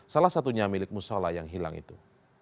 salah satunya milik musola yang hilang itu